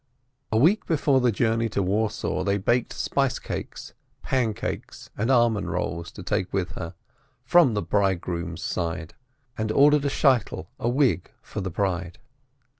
A week before the journey to Warsaw they baked spice cakes, pancakes, and almond rolls to take with her, "from the bridegroom's side," and ordered a wig for the bride.